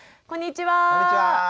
こんにちは。